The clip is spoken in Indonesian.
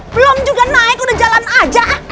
belum juga naik udah jalan aja